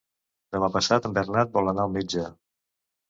Demà passat en Bernat vol anar al metge.